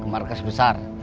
ke markas besar